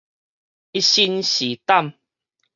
一身是膽